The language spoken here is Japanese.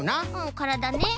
からだね。